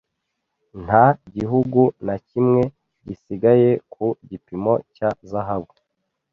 Nta gihugu na kimwe gisigaye ku gipimo cya zahabu.